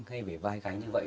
hay về vai gánh như vậy